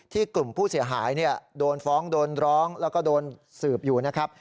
กลุ่มผู้เสียหายโดนฟ้องโดนร้องแล้วก็โดนสืบอยู่นะครับ